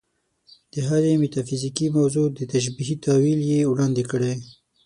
د هرې میتافیزیکي موضوع تشبیهي تأویل یې وړاندې کړی.